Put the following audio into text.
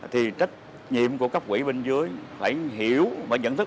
thì trách nhiệm của cấp quỷ bên dưới phải hiểu và nhận thức